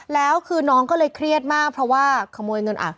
แล้วคือน้องก็เลยเครียดมากเพราะว่าขโมยเงิน